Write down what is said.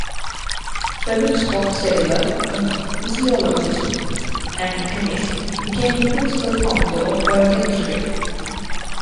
Felix Hoppe-Seyler, a physiologist and chemist, became the principal founder of biochemistry.